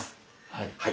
はい。